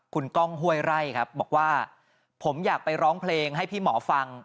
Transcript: คุณก้องห้วยไร่ครับบอกว่าผมอยากไปร้องเพลงให้พี่หมอฟัง